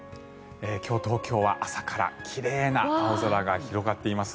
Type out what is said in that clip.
今日、東京は朝から奇麗な青空が広がっています。